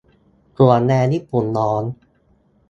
- ถั่วแดงญี่ปุ่นร้อน